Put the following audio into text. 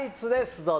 どうぞ。